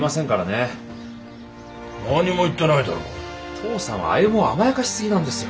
父さんは歩を甘やかし過ぎなんですよ。